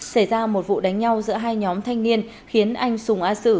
xảy ra một vụ đánh nhau giữa hai nhóm thanh niên khiến anh sùng a sự